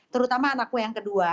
terutama anakku yang kedua